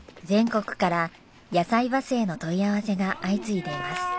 全国からやさいバスへの問い合わせが相次いでいます。